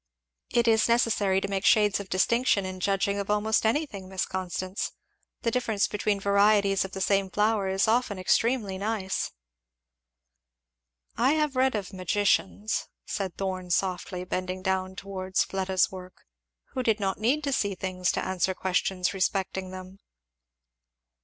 "It is necessary to make shades of distinction in judging of almost anything, Miss Constance. The difference between varieties of the same flower is often extremely nice." "I have read of magicians," said Thorn softly, bending down towards Fleda's work, "who did not need to see things to answer questions respecting them."